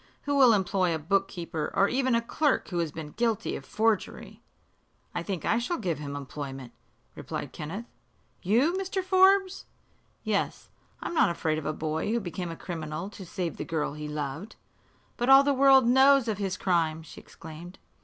"Who will employ a bookkeeper, or even a clerk who has been guilty of forgery?" "I think I shall give him employment," replied Kenneth. "You, Mr. Forbes!" "Yes. I'm not afraid of a boy who became a criminal to save the girl he loved." "But all the world knows of his crime!" she exclaimed.